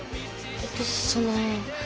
えっとその。